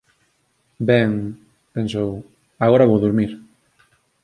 «Ben —pensou—, agora vou durmir».